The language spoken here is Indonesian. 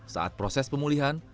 saat proses pemulihan